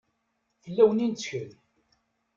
Fell-awen i nettkel.